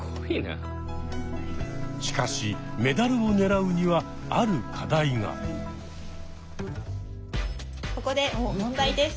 しかしメダルを狙うにはここで問題です。